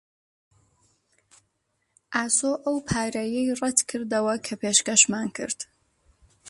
ئاسۆ ئەو پارەیەی ڕەت کردەوە کە پێشکەشمان کرد.